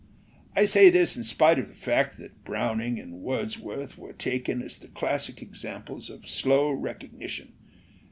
I say this in spite of the fact that Browning and Wordsworth are taken as the classic examples of slow recognition.